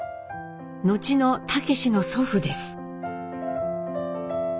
後の武司の祖父です。